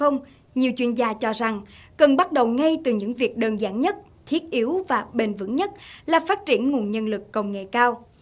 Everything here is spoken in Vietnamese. nhiều chuyên gia cho rằng cần bắt đầu ngay từ những việc đơn giản nhất thiết yếu và bền vững nhất là phát triển nguồn nhân lực công nghệ cao